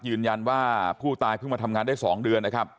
ยืนยันว่าผู้ตายเพิ่งมาทำงานได้๒เดือนนะครับ